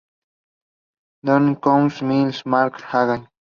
Donkey Kong: Minis March Again.